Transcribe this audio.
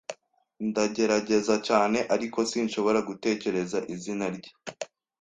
Ndagerageza cyane, ariko sinshobora gutekereza izina rye.